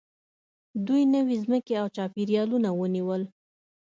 دوی نوې ځمکې او چاپېریالونه ونیول.